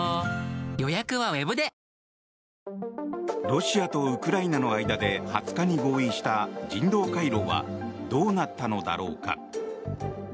ロシアとウクライナの間で２０日に合意した人道回廊はどうなったのだろうか。